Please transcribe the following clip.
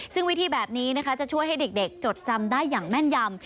ซึ่งวิธีแบบนี้นะคะจะช่วยให้เด็กจดจำได้อย่างแม่นยำ